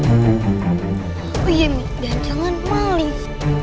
oh iya dan jangan maling